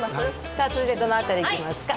さあ続いてどの辺りいきますか？